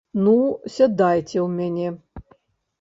Ну, сядайце ў мяне.